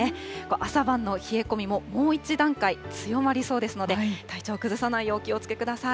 朝晩の冷え込みも、もう１段階強まりそうですので、体調を崩さないようお気をつけください。